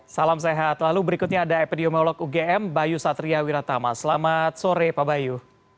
salam sehat lalu berikutnya ada epidemiolog ugm bayu satria wiratama selamat sore pak bayu